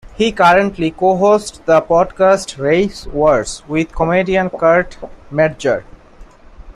He currently co-hosts the podcast "Race Wars" with comedian Kurt Metzger.